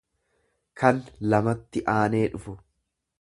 kan lamatti aanee dhufu.